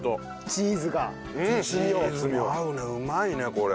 チーズも合うねうまいねこれ。